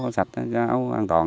áo sạch áo an toàn